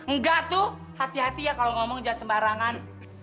enggak tuh hati hati ya kalau ngomong jangan sembarangan